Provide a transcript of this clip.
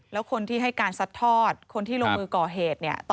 แล้วคนที่ให้การซัดทอดคนที่ลงมือก่อเหตุเนี่ย